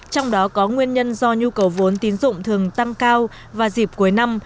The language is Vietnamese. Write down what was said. trong đó có nguyên nhân do nhu cầu vốn tín dụng thường tăng cao và dịp cuối năm